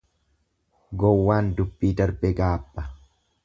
Gowwaan dubbii darbe gaabba.